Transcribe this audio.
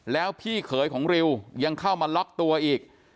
แล้วพี่เขยของริวยังเข้ามาล็อกตัวอีก